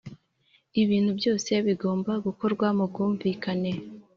ibintu byose bigomba gukorwa mubwumvikane